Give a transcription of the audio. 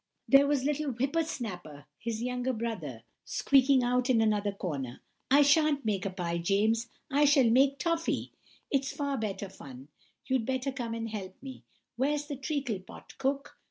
There was little Whipper snapper, his younger brother, squeaking out in another corner, 'I shan't make a pie, James, I shall make toffey; it's far better fun. You'd better come and help me. Where's the treacle pot, Cook?